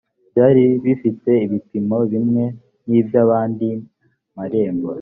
byari bifite ibipimo bimwe n iby andi marembo